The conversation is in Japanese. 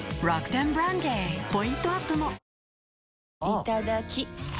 いただきっ！